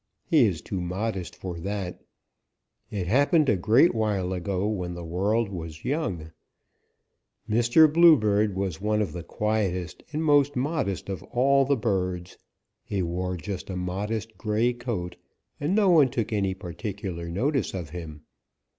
He is too modest for that. It happened a great while ago when the world was young. Mr. Bluebird was one of the quietest and most modest of all the birds. He wore just a modest gray coat, and no one took any particular notice of him.